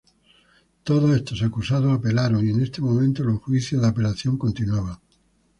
Todos estos acusados apelaron y en este momento los juicios de apelación continuaban.